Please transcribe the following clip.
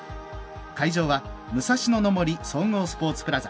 会場は武蔵野の森総合スポーツプラザ。